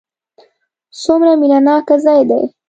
څومره مینه ناک ځای دی.